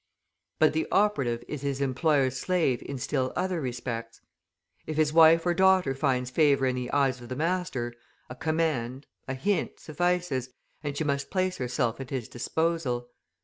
But the operative is his employer's slave in still other respects. If his wife or daughter finds favour in the eyes of the master, a command, a hint suffices, and she must place herself at his disposal.